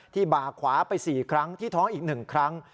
ที่บ่าขวาไปสี่ครั้งที่ท้องอีกหนึ่งครั้ง